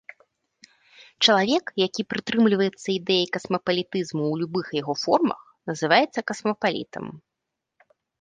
Чалавек, які прытрымліваецца ідэі касмапалітызму ў любых яго формах называецца касмапалітам.